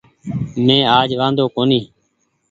مينٚ آج وآۮو ڪونيٚ